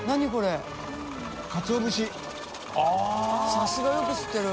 さすがよく知ってる。